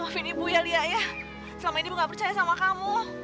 maafin ibu ya lia ya selama ini ibu gak percaya sama kamu